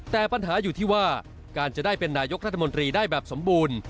แต่ปัญหาอยู่ที่ว่าการจะได้เป็นนายกรัฐมนตรีได้แบบสมบูรณ์